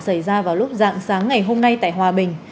xảy ra vào lúc dạng sáng ngày hôm nay tại hòa bình